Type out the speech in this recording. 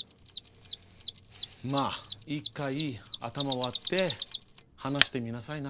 まあ１回頭割って話してみなさいな。